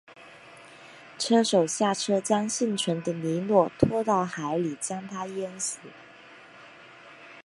车手下车将幸存的尼诺拖到海里将他淹死。